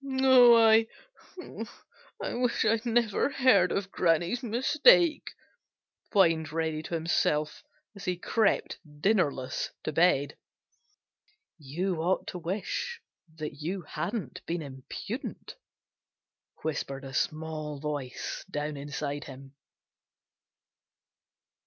"I—I wish I'd never heard of Granny's mistake," whined Reddy to himself as he crept dinnerless to bed. "You ought to wish that you hadn't been impudent," whispered a small voice down inside him.